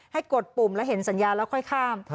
กดปุ่มแล้วเห็นสัญญาแล้วค่อยข้าม